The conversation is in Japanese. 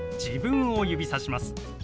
自分を指さします。